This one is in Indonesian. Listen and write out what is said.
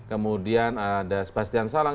kemudian ada sebastian salang